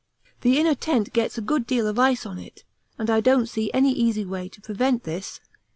The inner tent gets a good deal of ice on it, and I don't see any easy way to prevent this.